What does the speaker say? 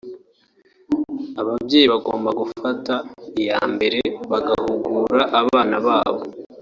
Ababyeyi bagomba gufata iyambere bagahugura abana babo